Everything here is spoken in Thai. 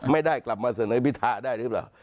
ก็จะกลับมาสนุนบิทาได้หรือเปล่า